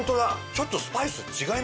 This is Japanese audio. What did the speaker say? ちょっとスパイス違いますね。